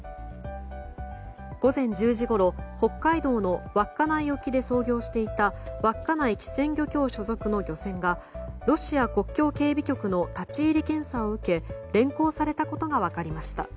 午前１０時ごろ北海道の稚内沖で操業していた稚内機船漁協所属の漁船がロシア国境警備局の立ち入り検査を受け連行されたことが分かりました。